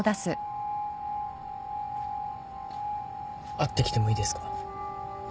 ・会ってきてもいいですか？